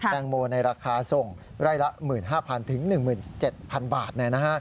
แตงโมร์ในราคาทรงไร่ละ๑๕๐๐๐๑๗๐๐๐บาทนะครับ